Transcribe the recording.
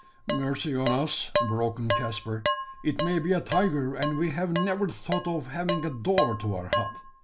"Mercy on us!" broke in Caspar; "it may be a tiger, and we have never thought of having a door to our hut!